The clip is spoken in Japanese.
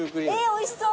おいしそう！